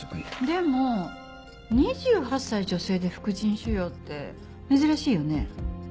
でも２８歳女性で副腎腫瘍って珍しいよね。